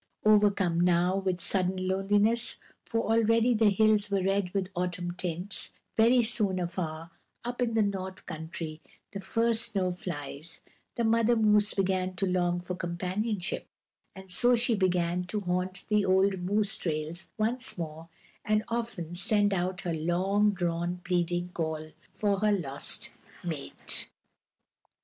Overcome now with sudden loneliness for already the hills were red with autumn tints; very soon after, up in the North Country, the first snow flies the mother moose began to long for companionship, and so she began to haunt the old moose trails once more, and often send out her long drawn, pleading call for her lost mate.